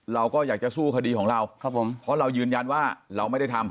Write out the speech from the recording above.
เราก็อยากจะสู้คดีของเราครับผมเพราะเรายืนยันว่าเราไม่ได้ทำ